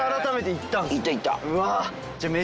行った行った。